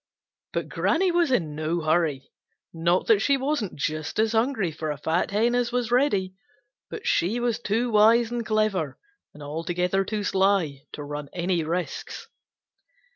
But Granny was in no hurry. Not that she wasn't just as hungry for a fat hen as was Reddy, but she was too wise and clever and altogether too sly to run any risks.